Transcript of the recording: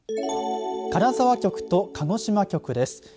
金沢局と鹿児島局です。